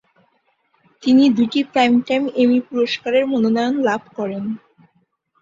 তিনি দুটি প্রাইমটাইম এমি পুরস্কারের মনোনয়ন লাভ করেন।